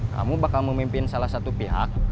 kamu bakal memimpin salah satu pihak